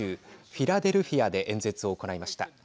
フィラデルフィアで演説を行いました。